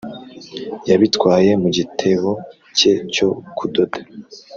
yabitwaye mu gitebo cye cyo kudoda,